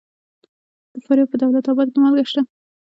د فاریاب په دولت اباد کې مالګه شته.